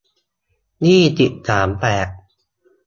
ยี่สิบสาม แปด